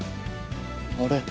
あれ。